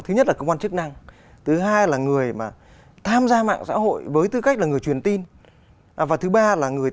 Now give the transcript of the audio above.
thứ nhất là cơ quan chức năng thứ hai là người mà tham gia mạng xã hội với tư cách là người truyền tin và thứ ba là người